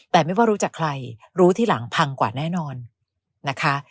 แต่ไม่ว่ารู้จักใครรู้ทีหลังพังกว่าแน่นอนนะคะ